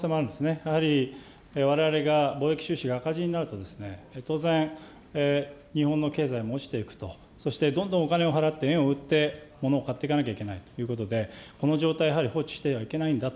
やはりわれわれが貿易収支が赤字になると、当然、日本の経済も落ちていくと、そしてどんどんお金を払って、円を売って、物を買っていかなきゃいけないということで、この状態、やはり放置してはいけないんだと。